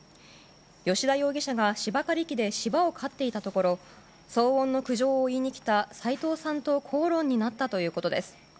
吉田容疑者が芝刈り機で芝を刈っていたところ騒音の苦情を言いに来た斉藤さんと口論になったということです。